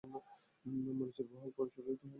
মরিচের বহুল প্রচলিত প্রজাতি গুলো হলোঃ